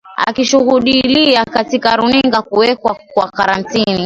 akishuhudilia katika runinga kuwekwa kwa karantini